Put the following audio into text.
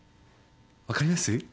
分かります？